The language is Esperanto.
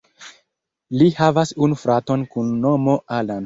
Li havas unu fraton kun nomo Alan.